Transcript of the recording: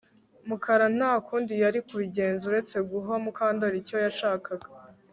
Mukara nta kundi yari kubigenza uretse guha Mukandoli icyo yashakaga